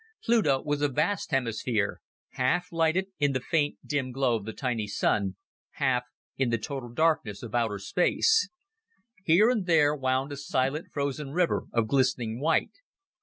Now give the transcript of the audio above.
Pluto was a vast hemisphere, half lighted in the faint, dim glow of the tiny Sun, half in the total darkness of outer space. Here and there wound a silent, frozen river of glistening white.